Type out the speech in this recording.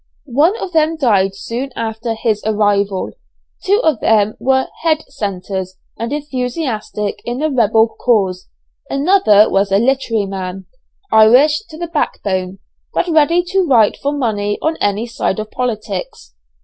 One of them died soon after his arrival: two of then were head centres, and enthusiastic in the rebel cause, another was a literary man, Irish to the backbone, but ready to write for money on any side of politics.